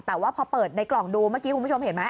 แต่ว่าพอเปิดในกล่องดูเมื่อกี้คุณผู้ชมเห็นไหม